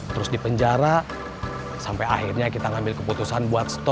terus di penjara sampai akhirnya kita ngambil keputusan buat stop